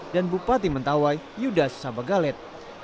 dan bupati mentawai yudas sabagalet